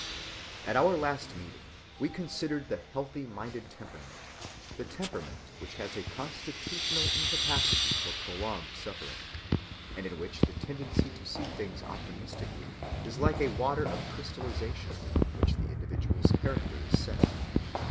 At our last meeting, we considered the healthy‐minded temperament, the temperament which has a constitutional incapacity for prolonged suffering, and in which the tendency to see things optimistically is like a water of crystallization in which the individual's character is set.